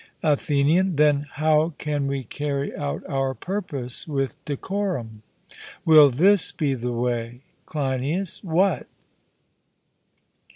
ATHENIAN: Then how can we carry out our purpose with decorum? Will this be the way? CLEINIAS: What?